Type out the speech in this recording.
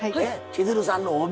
千鶴さんの帯